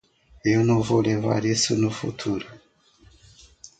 Eu não vou levar isso no futuro.